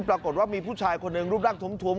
ปรากฏว่ามีผู้ชายคนหนึ่งรูปร่างทุ่ม